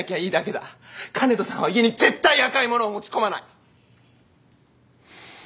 香音人さんは家に絶対赤いものを持ち込まない！